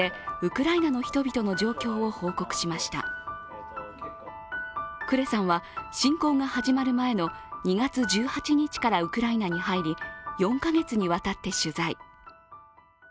クレさんは、侵攻が始まる前の２月１８日からウクライナに入り４か月にわたって取材。